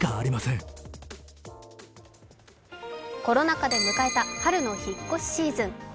コロナ禍で迎えた春の引っ越しシーズン。